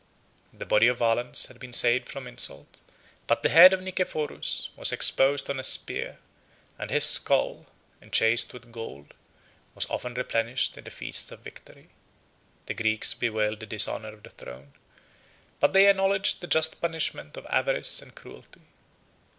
The body of Valens had been saved from insult; but the head of Nicephorus was exposed on a spear, and his skull, enchased with gold, was often replenished in the feasts of victory. The Greeks bewailed the dishonor of the throne; but they acknowledged the just punishment of avarice and cruelty.